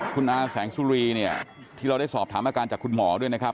คุณอาแสงสุรีเนี่ยที่เราได้สอบถามอาการจากคุณหมอด้วยนะครับ